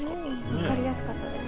分かりやすかったです。